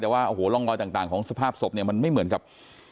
แต่ว่าโอ้โหร่องรอยต่างของสภาพศพเนี่ยมันไม่เหมือนกับ